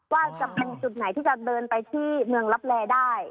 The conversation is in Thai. ว่าจะเป็นจุดไหนที่จะเดินไปที่เมืองลับแลได้